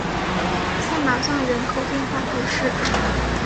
萨马藏人口变化图示